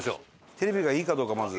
テレビがいいかどうかまず。